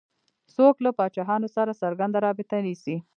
څوک له پاچاهانو سره څرنګه رابطه نیسي.